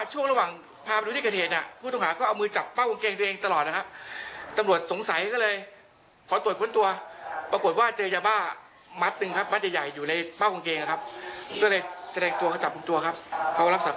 หลอนพอรับยาจากจุดรับยานะครับ